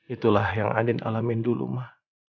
itulah yang adin alamin dulu ma